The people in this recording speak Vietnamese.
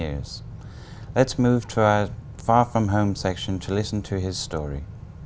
hãy đi đến phần nhà nhà để nghe câu chuyện của ông ấy